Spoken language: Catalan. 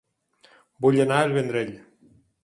Vull anar a El Vendrell